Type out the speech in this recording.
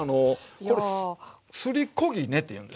これ「すりこぎね」って言うんですよ。